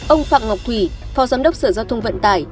ông phạm ngọc thủy phó giám đốc sở giao thông vận tải